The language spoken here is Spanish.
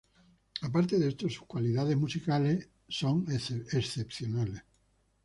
Aparte de esto, sus calidades musicales son excepcionales.